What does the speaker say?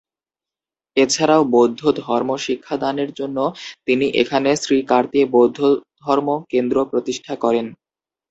এছাড়াও বৌদ্ধ ধর্ম শিক্ষা দানের জন্য তিনি এখানে শ্রী কীর্তি বৌদ্ধধর্ম কেন্দ্র প্রতিষ্ঠা করেন।